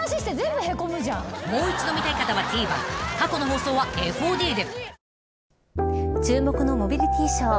［もう一度見たい方はＴＶｅｒ過去の放送はＦＯＤで］